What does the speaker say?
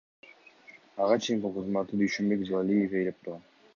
Ага чейин бул кызматты Дүйшөнбек Зилалиев ээлеп турган.